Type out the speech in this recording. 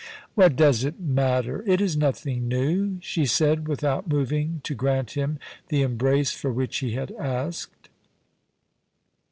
* What does it matter ? it is nothing new,' she said, with out moving to grant him the embrace for which he had asked.